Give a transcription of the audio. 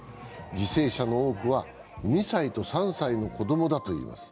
犠牲者の多くは２歳と３歳の子供だといいます。